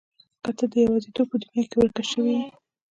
که ته د يوازيتوب په دنيا کې ورکه شوې يې.